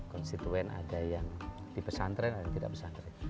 konstituen ada yang di pesantren ada yang tidak pesantren